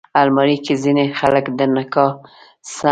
الماري کې ځینې خلک د نکاح سند ساتي